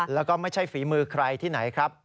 แล้วก็ไม่ใช่ฝีมือใครที่ไหนครับ